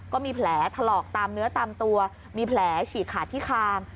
ก็มีแผลถลอกตามเนื้อตามตัวมีแผลฉีกขาดที่คาง